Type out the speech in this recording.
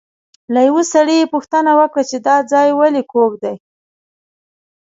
له یوه سړي یې پوښتنه وکړه چې دا ځای ولې کوږ دی.